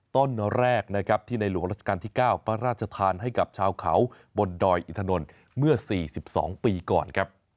ต้นแรกที่ในหลวงราชการที่๙ประราชทานให้กับชาวเขาบนดอยอิทธานนตร์เมื่อ๔๒ปีก่อน